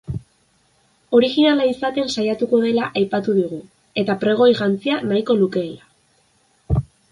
Orijinala izaten saiatuko dela aipatu digu eta pregoi jantzia nahiko lukeela.